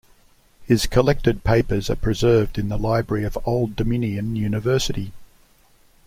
His collected papers are preserved in the library of Old Dominion University.